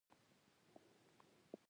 ځینې خبریالان د ټولنې د اصلاح هڅه کوي.